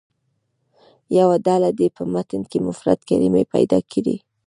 یوه ډله دې په متن کې مفرد کلمې پیدا کړي.